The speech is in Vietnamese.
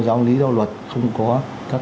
giáo lý giáo luật không có các